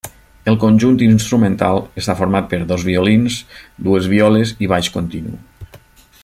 El conjunt instrumental està format per dos violins, dues violes i baix continu.